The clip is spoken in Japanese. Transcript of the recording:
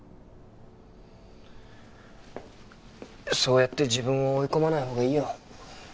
そうやって自分を追い込まないほうがいいよ。